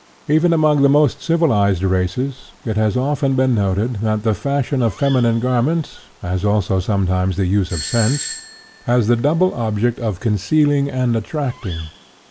Even among the most civilized races it has often been noted that the fashion of feminine garments (as also sometimes the use of scents) has the double object of concealing and attracting.